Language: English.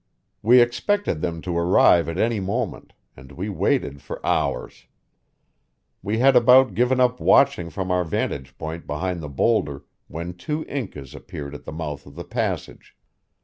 We expected them to arrive at any moment, and we waited for hours. We had about given up watching from our vantage point behind the boulder when two Incas appeared at the mouth of the passage.